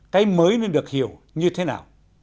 cái mới nên được hiểu như thế nào